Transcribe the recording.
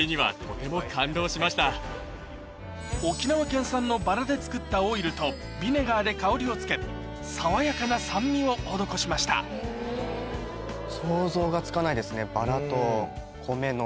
沖縄県産の薔薇で作ったオイルとビネガーで香りをつけ爽やかな酸味を施しました薔薇と米の。